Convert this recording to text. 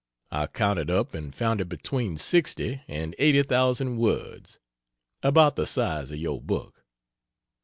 I counted up and found it between sixty and eighty thousand words about the size of your book.